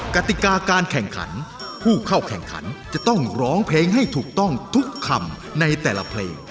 กติกาการแข่งขันผู้เข้าแข่งขันจะต้องร้องเพลงให้ถูกต้องทุกคำในแต่ละเพลง